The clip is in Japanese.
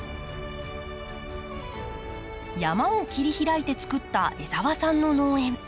山を切り開いてつくった江澤さんの農園。